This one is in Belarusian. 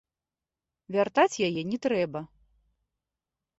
Вяртаць яе не трэба.